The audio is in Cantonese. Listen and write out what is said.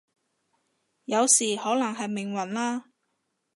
有時可能係命運啦